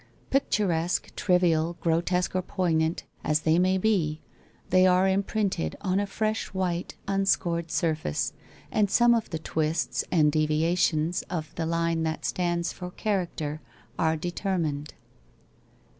Picturesque, trivial, grotesque or poignant, as they may be, they are imprinted on a fresh white unscored surface, and some of the twists and deviations of the line that stands for character are determined.